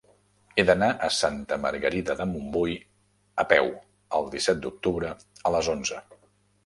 He d'anar a Santa Margarida de Montbui a peu el disset d'octubre a les onze.